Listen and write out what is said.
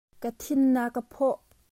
Ka thin an ka phawh.